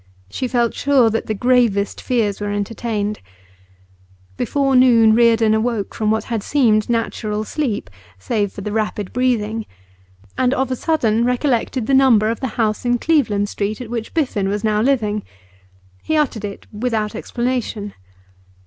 She felt sure that the gravest fears were entertained. Before noon Reardon awoke from what had seemed natural sleep save for the rapid breathing and of a sudden recollected the number of the house in Cleveland Street at which Biffen was now living. He uttered it without explanation.